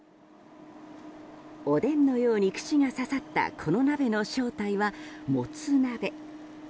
おでんのように串が刺さったこの鍋の正体は、もつ鍋。